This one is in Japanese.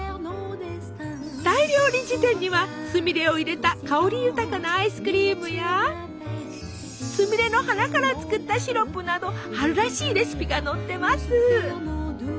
「大料理事典」にはすみれを入れた香り豊かなアイスクリームやすみれの花から作ったシロップなど春らしいレシピが載ってます！